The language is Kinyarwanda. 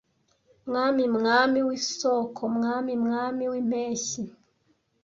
mwami mwami w'isoko mwami mwami w'impeshyi